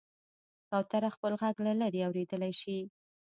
کوتره خپل غږ له لرې اورېدلی شي.